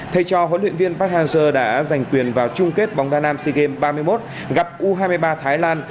thầy cho huấn luyện viên park hang seo đã giành quyền vào chung kết bóng đa nam sea games ba mươi một gặp u hai mươi ba thái lan